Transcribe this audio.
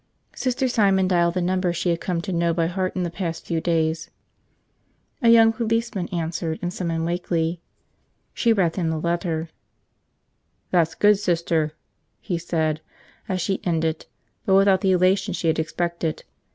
Sister Simon dialed the number she had come to know by heart in the past few days. A young policeman answered and summoned Wakeley. She read him the letter. "That's good, Sister," he said as she ended, but without the elation she had expected.